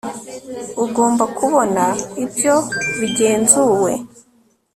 ugomba kubona ibyo bigenzuwe